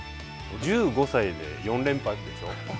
１５歳で４連覇でしょう。